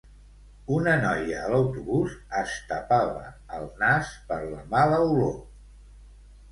Una noia a l'autobús es tapava el nas per la mala olor